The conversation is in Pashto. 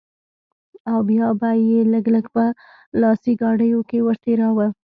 او بيا به يې لږ لږ په لاسي ګاډيو کښې ورتېراوه.